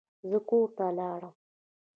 زه کور ته لاړم.